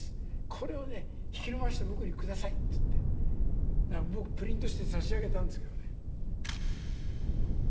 これを引き延ばして僕にください」つって僕プリントして差し上げたんですけどね。